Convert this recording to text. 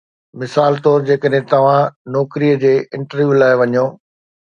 مثال طور جيڪڏهن توهان نوڪريءَ جي انٽرويو لاءِ وڃو